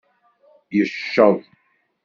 Yecceḍ.